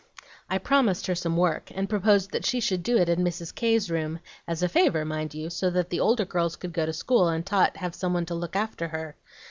I promised her some work, and proposed that she should do it in Mrs. K.'s room, as a favor, mind you, so that the older girls could go to school and Tot have some one to look after her.